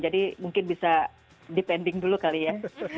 jadi mungkin bisa dipending dulu kali ya